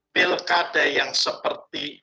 pilkada yang seperti